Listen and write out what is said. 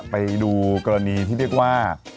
ไปดูกรณีที่เรียกว่า